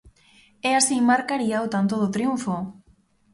E así marcaría o tanto do triunfo.